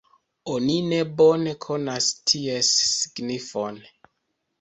Oni ne bone konas ties signifon.